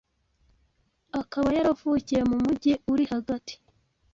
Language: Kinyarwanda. akaba yaravukiye mu mujyi uri hagati